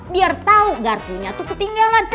biar tahu garpunya tuh ketinggalan